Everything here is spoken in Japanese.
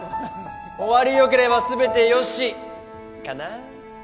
終わりよければ全てよし！かな？